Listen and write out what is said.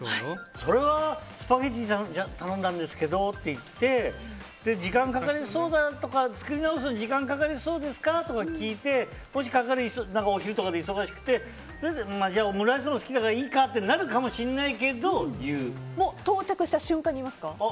それはスパゲティ頼んだんですけどって言って作り直すのに時間かかりそうですかって聞いてもしお昼とかで忙しくてオムライスも好きだからいいかってなるかもしれないけど到着した瞬間に言いますか？